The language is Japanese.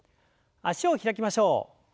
脚を開きましょう。